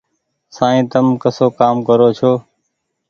سائين تم ڪسو ڪآم ڪرو ڇو ۔